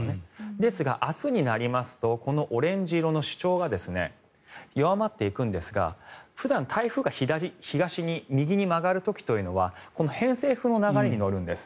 ですが明日になりますとこのオレンジ色の主張が弱まっていくんですが普段、台風が東に右に曲がる時というのはこの偏西風の流れに乗るんです。